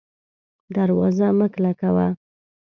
دروازه مه کلکه وه